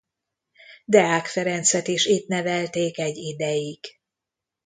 Deák Ferencet is itt nevelték egy ideig.